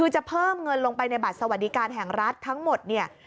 จะเพิ่มเงินลงไปในบัดสวรรดีการแห่งรัฐทั้งหมด